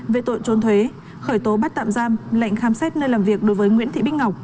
về tội trốn thuế khởi tố bắt tạm giam lệnh khám xét nơi làm việc đối với nguyễn thị bích ngọc